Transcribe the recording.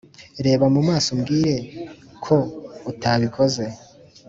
reba mu maso umbwire ko utabikoze.